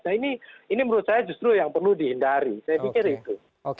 nah ini menurut saya justru yang perlu dihindari saya pikir itu